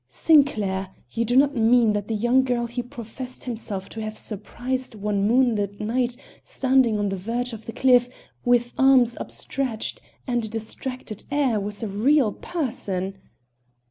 "Sinclair! You do not mean that the young girl he professed himself to have surprised one moonlit night standing on the verge of the cliff, with arms upstretched and a distracted air, was a real person?"